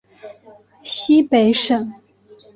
西北省